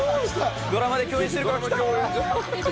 ドラマで共演してるからキターッ！